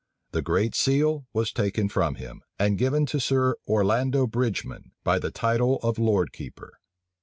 The great seal was taken from him, and given to Sir Orlando Bridgeman, by the title of lord keeper.